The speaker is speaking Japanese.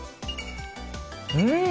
うん！